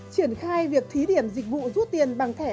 triển khai việc thí điểm dịch vụ rút tiền bằng thẻ